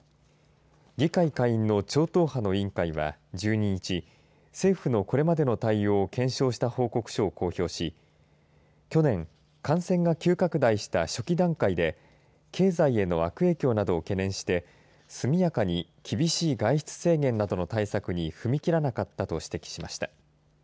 議会下院の超党派の委員会は１２日、政府のこれまでの対応を検証した報告書を公表し去年感染が急拡大した初期段階で経済への悪影響などを懸念して速やかに厳しい外出制限などの対策に踏み切らなかったと指摘しました。